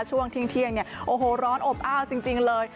ช่วงเที่ยงเนี่ยโอ้โหร้อนอบอ้าวจริงเลย